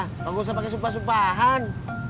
kau nggak usah pakai sumpah sumpahan